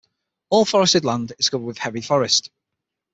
All forested land is covered with heavy forest.